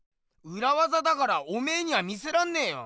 うらわざだからおめえには見せらんねえよ。